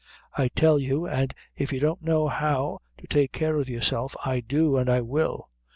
"I tell you, and if you don't know how to take care of yourself, I do, and I will.